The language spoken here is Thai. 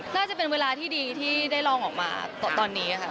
น่าจะเป็นเวลาที่ดีที่ได้ลองออกมาตอนนี้ค่ะ